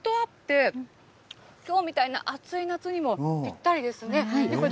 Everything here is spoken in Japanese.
桃とあって、きょうみたいな暑い夏にもぴったりですね。